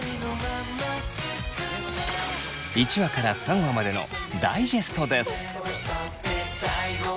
１話から３話までのダイジェストです。